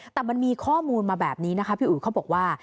แต่มันมีข้อมูลมาแบบนี้นะคะพี่อุ๋ยเขาบอกว่า